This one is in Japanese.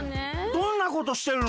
どんなことしてるの？